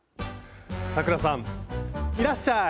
咲楽さんいらっしゃい！